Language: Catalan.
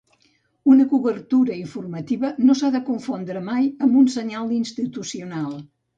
Una cobertura informativa no s’ha de confondre mai amb un senyal institucional.